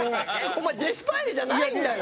お前デスパイネじゃないんだよ。